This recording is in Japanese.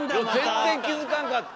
全然気付かんかった！